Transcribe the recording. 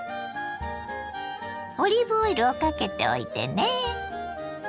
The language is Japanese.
オリーブオイルをかけておいてね。